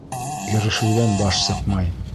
Ирешеүҙән баш сыҡмай.